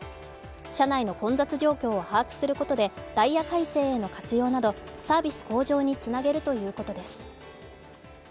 車内の混雑状況を把握することでダイヤ改正への活用などサービス向上につなげるということです。